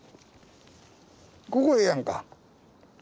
ここええやんか。